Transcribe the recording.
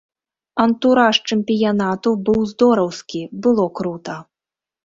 Антураж чэмпіянату быў здораўскі, было крута.